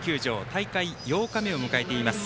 大会８日目を迎えています。